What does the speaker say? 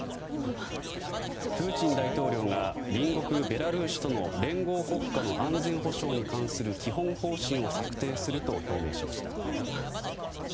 プーチン大統領が隣国ベラルーシとの連合国家の安全保障に関する基本方針を策定すると表明しました。